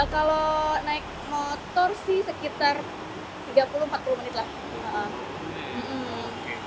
kalau naik motor sih sekitar tiga puluh empat puluh menit lah